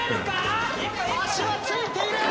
足はついている！